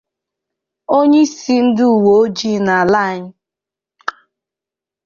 Onyeisi ndị Uweojii n'ala anyị